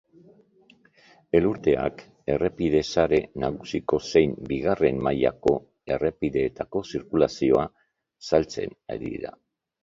Elurteak errepide sare nagusiko zein bigarren mailako errepideetako zirkulazioa zailtzen ari da.